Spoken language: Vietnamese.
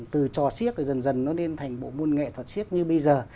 từ trò siếc thì dần dần nó đến thành bộ môn nghệ thuật siếc như bây giờ